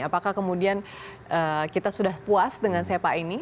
apakah kemudian kita sudah puas dengan sepa ini